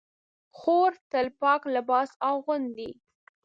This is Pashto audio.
خور تل پاک لباس اغوندي.